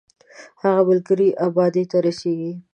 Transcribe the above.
هغه ملګری یې ابادۍ ته رسېږي.